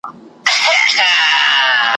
نه قلم سته نه مي علم